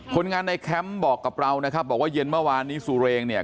คนงานในแคมป์บอกกับเรานะครับบอกว่าเย็นเมื่อวานนี้ซูเรงเนี่ย